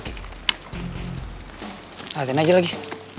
tantang aja lagi